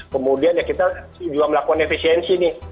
kemudian ya kita juga melakukan efisiensi nih